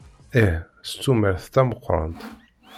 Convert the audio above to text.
Ih, s tumert tameqqrant.